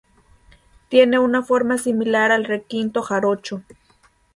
Tiene una forma similar al requinto jarocho.